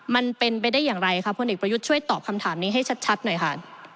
มันเป็นไปได้อย่างไรคะพลเอกประยุทธ์ช่วยตอบคำถามนี้ให้ชัดหน่อยค่ะ